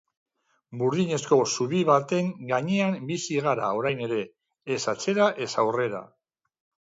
Burdinazko zubi baten gainean bizi gara orain ere, ez atzera ez aurrera.